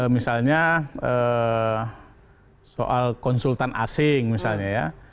misalnya soal konsultan asing misalnya ya